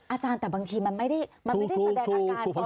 อาจารย์แต่บางทีมันไม่ได้แสดงอาการพอ